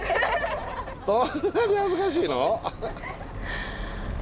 そんなに恥ずかしいの？